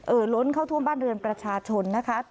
เอ่ยหล้นเข้าท่วมบ้านเรือนประชาชนนะครับ